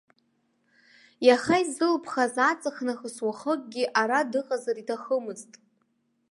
Иаха изылԥхаз аҵх нахыс уахыкгьы ара дыҟазар иҭахымызт.